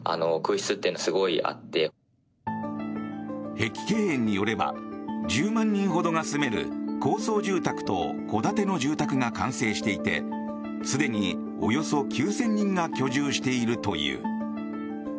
碧桂園によれば１０万人ほどが住める高層住宅と戸建ての住宅が完成していてすでに、およそ９０００人が居住しているという。